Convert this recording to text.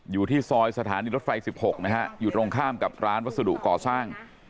อยู่ที่ซอยสถานีรถไฟ๑๖นะฮะอยู่ตรงข้ามกับร้านวัสดุก่อสร้าง